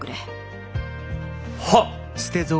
はっ。